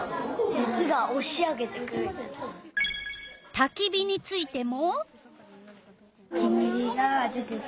たき火についても。